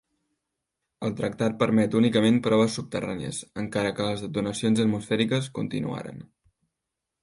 El tractat permet únicament proves subterrànies, encara que les detonacions atmosfèriques continuaren.